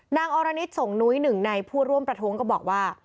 อรณิตส่งนุ้ยหนึ่งในผู้ร่วมประท้วงก็บอกว่า